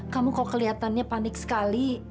kamu kok kelihatannya panik sekali